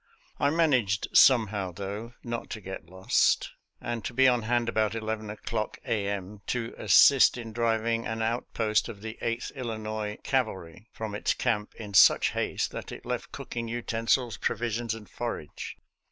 I managed somehow, though, not to get lost, and to be on hand about 11 o'clock a. m., to assist in driving an outpost of the Eighth Illinois Cavalry from its camp in such haste that it left cooking utensils, provisions, and forage.